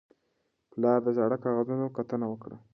پلار د زاړه کاغذونو کتنه وکړه